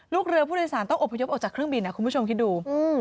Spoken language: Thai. ลูกเรือผู้โดยสารต้องอบพยพออกจากเครื่องบินคุณผู้ชมคิดดู